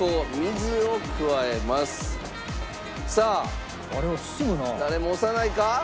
さあ誰も押さないか？